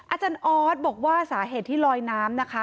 อาจารย์ออสบอกว่าสาเหตุที่ลอยน้ำนะคะ